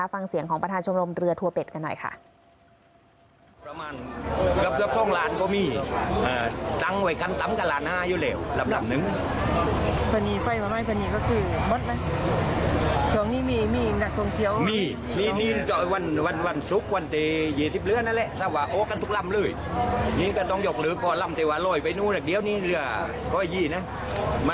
ฟังเสียงของประธานชมรมเรือทัวเป็ดกันหน่อยค่ะ